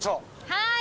はい。